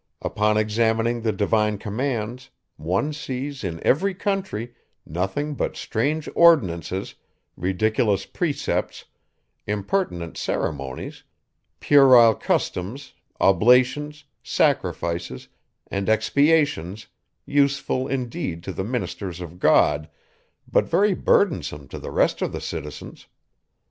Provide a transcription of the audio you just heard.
Upon examining the divine commands, one sees in every country, nothing but strange ordinances, ridiculous precepts, impertinent ceremonies, puerile customs, oblations, sacrifices, and expiations, useful indeed to the ministers of God, but very burthensome to the rest of the citizens.